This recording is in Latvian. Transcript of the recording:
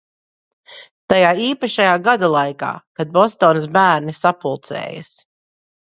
Tajā īpašajā gada laikā, kad Bostonas bērni sapulcējas.